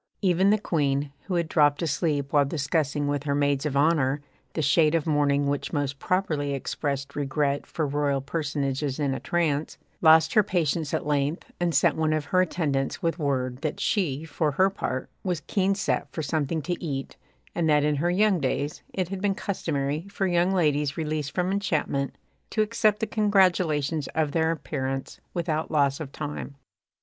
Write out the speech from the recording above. Even the Queen, who had dropped asleep while discussing with her maids of honour the shade of mourning which most properly expressed regret for royal personages in a trance, lost her patience at length, and sent one of her attendants with word that she, for her part, was keen set for something to eat, and that in her young days it had been customary for young ladies released from enchantment to accept the congratulations of their parents without loss of time.